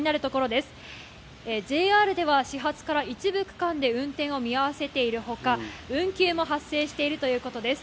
ＪＲでは始発から一部区間で運転を見合わせているほか、運休も発生しているということです。